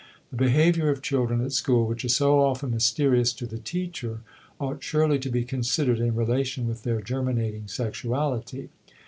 The behavior of children at school, which is so often mysterious to the teacher, ought surely to be considered in relation with their germinating sexuality.